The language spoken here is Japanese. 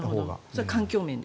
それは環境面で？